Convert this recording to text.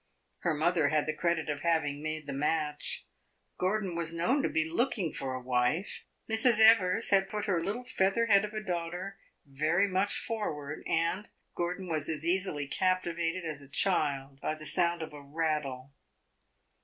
Her mother had the credit of having made the match. Gordon was known to be looking for a wife; Mrs. Evers had put her little feather head of a daughter very much forward, and Gordon was as easily captivated as a child by the sound of a rattle.